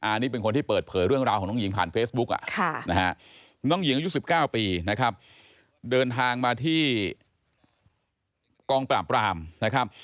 อันนี้เป็นคนที่เปิดเผยเรื่องราวของน้องหญิงผ่านเฟซบุ๊กน้องหญิงอายุ๑๙ปีนะครับเดินทางมาที่กองปราบรามนะครับ